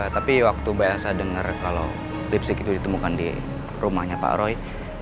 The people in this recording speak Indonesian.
tapi waktu pak elsa denger kalau lipstick itu ditemukan di rumahnya pak roy